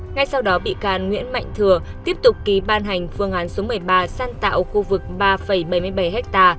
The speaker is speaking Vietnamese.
ngay sau đó bị can nguyễn mạnh thừa tiếp tục ký ban hành phương án số một mươi ba sáng tạo khu vực ba bảy mươi bảy ha